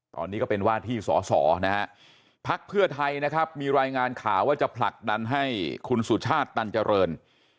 ตอนนี้ก็เป็นว่าที่สอสอนะฮะพักเพื่อไทยนะครับมีรายงานข่าวว่าจะผลักดันให้คุณสุชาติตันเจริญ